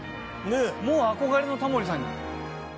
もう憧れのタモリさんに。